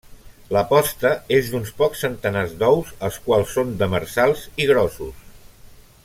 La posta és d'uns pocs centenars d'ous, els quals són demersals i grossos.